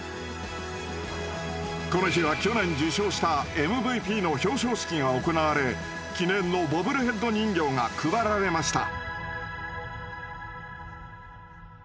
この日は去年受賞したＭＶＰの表彰式が行われ記念のボブルヘッド人形が配られました。